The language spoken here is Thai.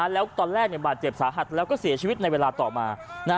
แล้วตอนแรกบาดเจ็บสาหัสแล้วก็เสียชีวิตในเวลาต่อมา